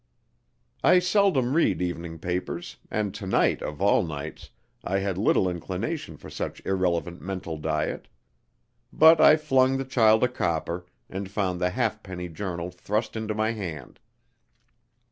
I seldom read evening papers, and to night, of all nights, I had little inclination for such irrelevant mental diet. But I flung the child a copper, and found the halfpenny journal thrust into my hand.